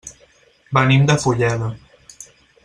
Venim de Fulleda.